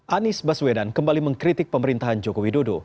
anies baswedan kembali mengkritik pemerintahan jokowi dodo